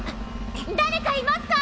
だれかいますか？